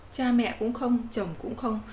cha mẹ cũng không chồng cũng không